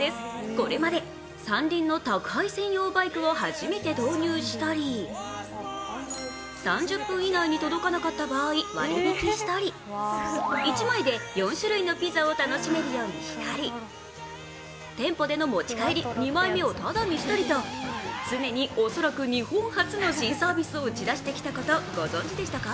これまで３輪の宅配専用バイクを初めて導入したり、３０分以内に届かなかった場合、割り引きしたり、１枚で４種類のピザを楽しめたり店舗での持ち帰り、２枚目をタダにしたりと常に恐らく日本初の新サービスを打ち出してきたこと、ご存じでしたか？